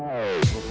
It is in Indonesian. saya dari jakarta